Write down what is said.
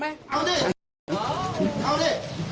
เอาดิเอาดิ